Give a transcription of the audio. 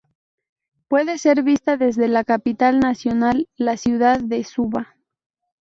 Puede ser vista desde la capital nacional, la ciudad de Suva.